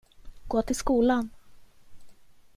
Gå till skolan.